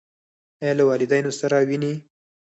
ایا له والدینو سره وینئ؟